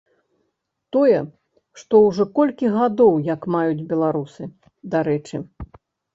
Тое, што ўжо колькі гадоў як маюць беларусы, дарэчы.